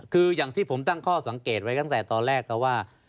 คืออย่างที่ผมตั้งข้อสังเกตไว้ตอนแรกก็ว่า